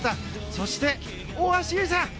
そして、大橋悠依さん！